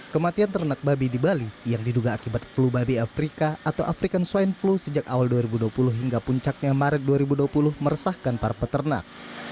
kematian ternak babi di bali yang diduga akibat flu babi afrika atau african swine flu sejak awal dua ribu dua puluh hingga puncaknya maret dua ribu dua puluh meresahkan para peternak